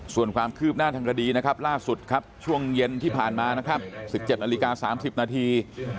ส่วนความคืบหน้าทางคดีนะครับล่าสุดครับช่วงเย็นที่ผ่านมานะครับ๑๗นาฬิกา๓๐นาที